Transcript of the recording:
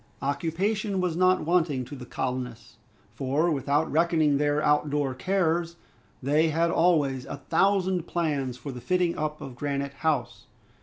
Occupation was not wanting to the colonists, for without reckoning their out door cares, they had always a thousand plans for the fitting up of Granite House.